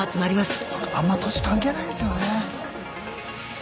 あんま年関係ないですよね。